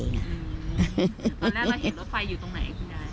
ตอนแรกเราเห็นรถไฟอยู่ตรงไหนคุณยาย